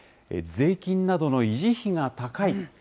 税金などの維持費が高い。